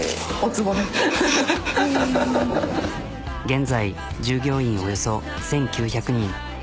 現在従業員およそ１、９００人。